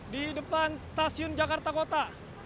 di depan stasiun jakarta kota